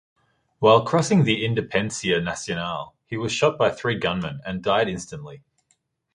While crossing the Independencia Nacional, he was shot by three gunmen and died instantly.